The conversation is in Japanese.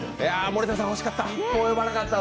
森田さん、惜しかった。